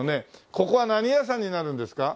ここは何屋さんになるんですか？